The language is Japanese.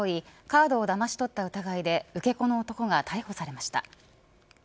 カードをだまし取った疑いで受け子の男が逮捕されました。